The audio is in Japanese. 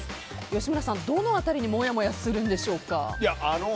吉村さん、どの辺りにもやもやするんでしょうか？